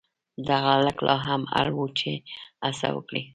دغه هلک لا هم اړ و چې هڅه وکړي.